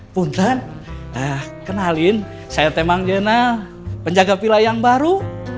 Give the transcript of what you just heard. punthan kenalin saya temang jena penjaga pilihan yang baru